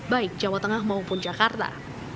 baik jawa tengah maupun jakarta